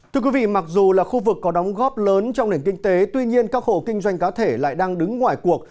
thưa quý vị mặc dù là khu vực có đóng góp lớn trong nền kinh tế tuy nhiên các hộ kinh doanh cá thể lại đang đứng ngoài cuộc